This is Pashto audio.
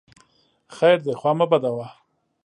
خیر دی خوا مه بدوه !